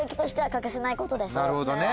なるほどね